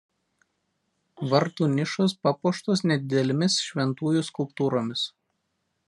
Vartų nišos papuoštos nedidelėmis šventųjų skulptūromis.